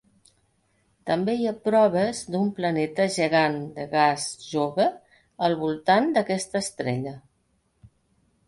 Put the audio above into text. També hi ha proves d'un planeta gegant de gas jove al voltant d'aquesta estrella.